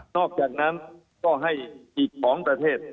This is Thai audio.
อกจากนั้นก็ให้อีก๒ประเทศ